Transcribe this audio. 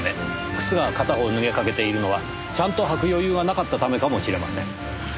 靴が片方脱げかけているのはちゃんと履く余裕がなかったためかもしれません。